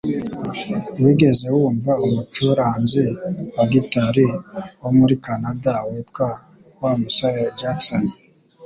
Wigeze wumva umucuranzi wa gitari wo muri Kanada witwa Wa musore Jackson?